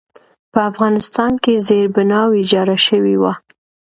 په افغانستان کې زېربنا ویجاړه شوې وه.